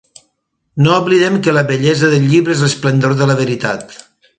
No oblidem que la bellesa del llibre és l’esplendor de la veritat.